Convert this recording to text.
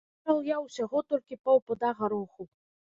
Выйграў я ўсяго толькі паўпуда гароху.